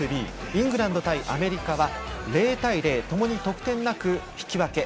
イングランド対アメリカは０対０共に得点なく、引き分け。